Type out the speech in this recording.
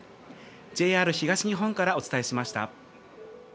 ＪＲ東日本からお伝えしました。